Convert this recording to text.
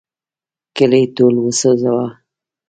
کلی ټول وسوځاوه.